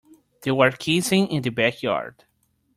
They were kissing in the backyard.